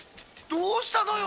どうしたのよ